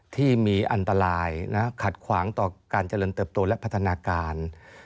ที่มีอันตรายขัดขวางต่อการเจริญเติบโตและพัฒนาการ